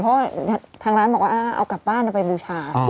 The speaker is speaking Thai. โทษทางร้านบอกว่าเอากลับบ้านนั่งไปบูชา